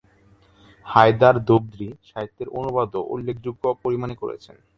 হায়দার ধ্রুপদী সাহিত্যের অনুবাদও উল্লেখযোগ্য পরিমাণে করেছেন।